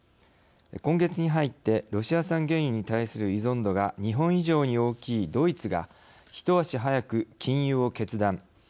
今月に入ってロシア産原油に対する依存度が日本以上に大きいドイツが一足早く禁輸を決断。